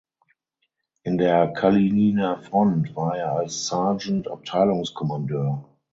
In der Kalininer Front war er als Sergeant Abteilungskommandeur.